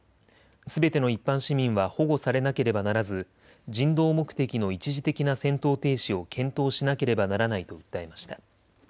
すべての一般市民は保護されなければならず人道目的の一時的な戦闘停止を検討しなければならないと訴えました。